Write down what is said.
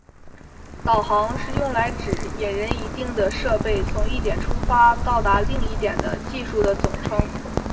导航是用来指引人一定的设备从一点出发到达另一点的技术的总称。